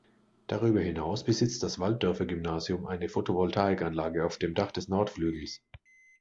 Darüber hinaus besitzt das Walddörfer-Gymnasium eine Photovoltaikanlage auf dem Dach des Nordflügels.